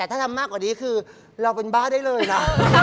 ถ้าทำมากกว่านี้คือเราเป็นบ้าได้เลยนะ